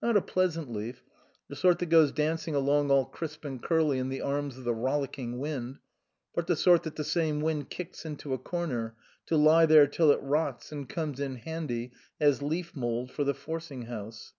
Not a pleasant leaf, the sort that goes dancing along, all crisp and curly, in the arms of the rollicking wind ; but the sort that the same wind kicks into a corner, to lie there till it rots and comes in handy as leaf mould for the forcing house.